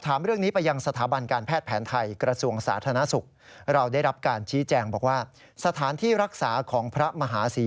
หรือว่าอาการหนักขึ้นแต่อย่างใดนะครับ